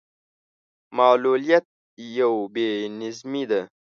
معلوليت يو بې نظمي ده.